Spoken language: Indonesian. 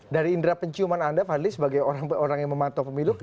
dari indera penciuman anda fadli sebagai orang yang memantau pemilu